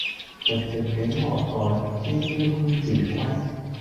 寂寂竟何待，朝朝空自歸。